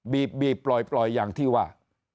บีบปล่อยอย่างที่ว่า